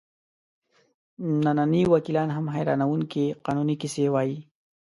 ننني وکیلان هم حیرانوونکې قانوني کیسې وایي.